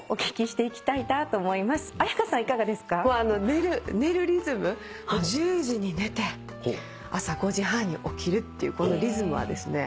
寝るリズムを１０時に寝て朝５時半に起きるっていうこのリズムはですね